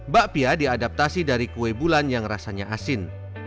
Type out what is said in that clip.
bakpia diadaptasi dari kue bulan yang rasanya asin